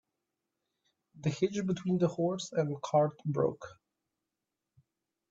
The hitch between the horse and cart broke.